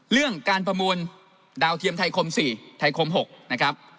เรื่องการประมูลดาวเทียมไทยคม๔ไทยคม๖นะครับ